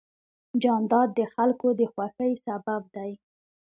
جانداد د خلکو د خوښۍ سبب دی.